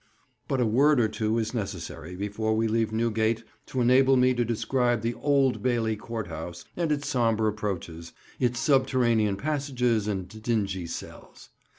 But a word or two is necessary before we leave Newgate to enable me to describe the Old Bailey Court House and its sombre approaches, its subterraneous passages, and dingy cells.